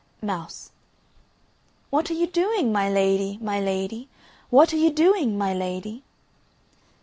MOUSE. What are you doing, my lady, my lady, What are you doing, my lady?